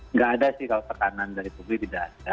nggak ada sih kalau tekanan dari publik tidak ada